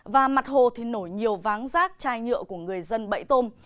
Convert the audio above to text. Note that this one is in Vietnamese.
và mặt hồ thì nổi nhiều váng rác chai nhựa của người dân bẫy tôm